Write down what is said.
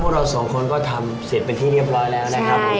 เราสองคนก็ทำเสร็จเป็นที่เรียบร้อยแล้วนะครับผม